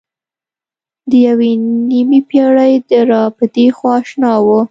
د یوې نیمې پېړۍ را پدېخوا اشنا وه.